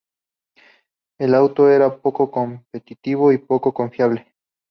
El auto era poco competitivo y poco confiable.